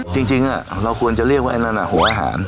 จริงเราควรจะเรียกว่าไอ้นั่นหัวอาหาร